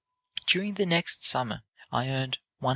"During the next summer I earned $100.